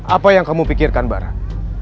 apa yang kamu pikirkan barang